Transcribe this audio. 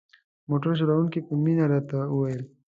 موټر چلوونکي په مینه راته وویل.